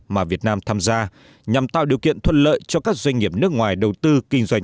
mà việt nam tham gia nhằm tạo điều kiện thuận lợi cho các doanh nghiệp nước ngoài đầu tư kinh doanh